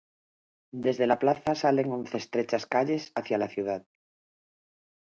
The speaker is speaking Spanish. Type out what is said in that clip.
Desde la plaza salen once estrechas calles hacia la ciudad.